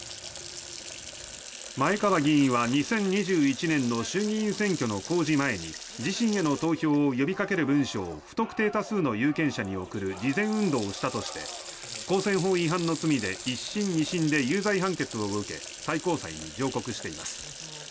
前川議員は２０２１年の衆議院選挙の公示前に自身への投票を呼びかける文書を不特定多数の有権者に送る事前運動をしたとして公選法違反の罪で１審、２審で有罪判決を受け最高裁に上告しています。